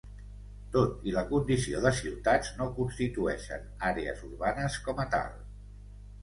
Tot i la condició de ciutats, no constitueixen àrees urbanes com a tal.